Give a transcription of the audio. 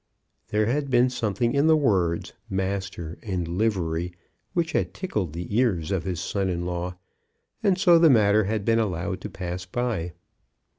There had been something in the words, master and livery, which had tickled the ears of his son in law, and so the matter had been allowed to pass by.